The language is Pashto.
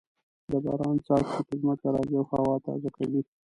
د باران څاڅکي په ځمکه راځې او هوا تازه کوي.